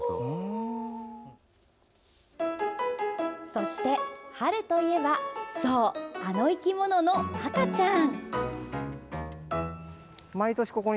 そして春といえばそう、あの生き物の赤ちゃん。